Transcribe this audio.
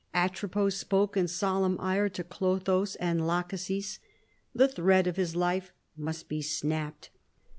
Atropos spoke in solemn ire to Clotho and Lachesis. The thread of his life must be snapped.